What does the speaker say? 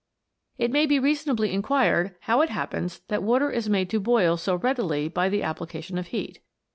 It may be reasonably inquired how it happens that water is made to boil so readily by the appli cation of heat.